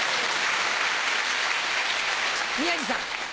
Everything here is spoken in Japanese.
宮治さん。